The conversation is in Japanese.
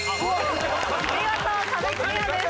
見事壁クリアです。